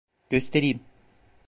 Göstereyim.